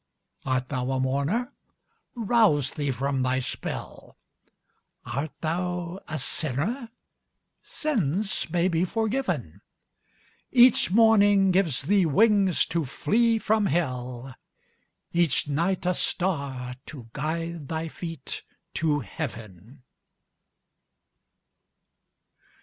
Art thou a mourner? Rouse thee from thy spell ; Art thou a sinner? Sins may be forgiven ; Each morning gives thee wings to flee from hell, Each night a star to guide thy feet to heaven.